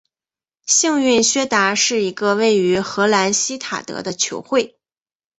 幸运薛达是一个位于荷兰锡塔德的球会。